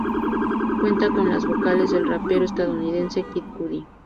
Cuenta con las vocales del rapero estadounidense Kid Cudi.